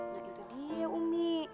nah itu dia umi